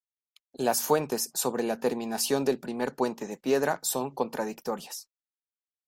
Las fuentes sobre la terminación del primer puente de piedra son contradictorias.